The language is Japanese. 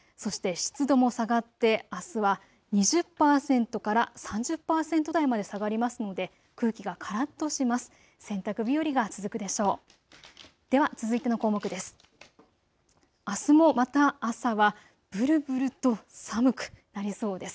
そして湿度も下がってあすは２０％から３０％台まで下がりますので空気がからっとします。